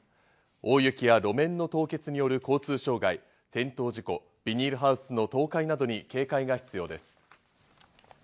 大雪や路面の凍結による交通障害、転倒事故、ビニールハウスの倒壊などに警戒が必要です。